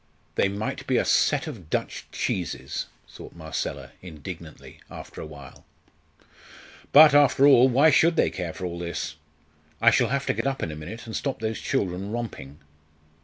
"They might be a set of Dutch cheeses!" thought Marcella, indignantly, after a while. "But, after all, why should they care for all this? I shall have to get up in a minute and stop those children romping."